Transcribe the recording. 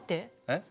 え？